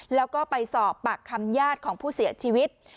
แล้วก็ไปสอบปากคำญาติของผู้เสียชีวิต